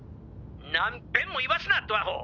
何べんも言わすなドアホ！！